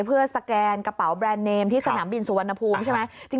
เพื่อสแกนกระเป๋าแบรนด์เนมที่สนามบินสุวรรณภูมิใช่ไหม